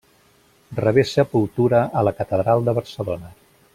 Rebé sepultura a la Catedral de Barcelona.